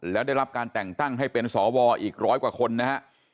แล้วได้รับการแต่งตั้งให้เป็นสวอีกร้อยกว่าคนนะฮะ